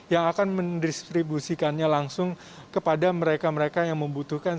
yang akan mendistribusikannya langsung kepada mereka mereka yang membutuhkan